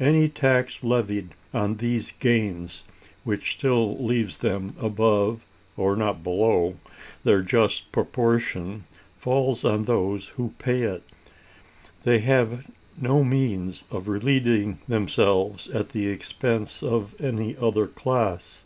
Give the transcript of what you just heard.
Any tax levied on these gains, which still leaves them above (or not below) their just proportion, falls on those who pay it; they have no means of relieving themselves at the expense of any other class.